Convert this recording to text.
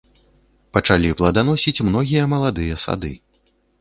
Пачалі пладаносіць многія маладыя сады.